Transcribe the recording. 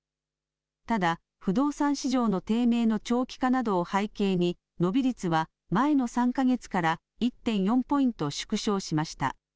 ただ、不動産市場の低迷の長期化などを背景に、伸び率は前の３か月から１．４ポイント縮小しました。